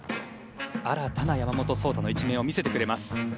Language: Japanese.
新たな山本草太の一面を見せてくれます。